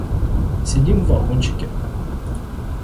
Сидим в вагончике.